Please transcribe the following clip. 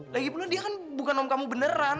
lagipun dia kan bukan om kamu beneran